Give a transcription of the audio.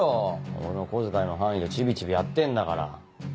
俺の小遣いの範囲でチビチビやってんだから。